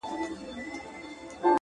• ما د ابا ساتلی کور غوښتی,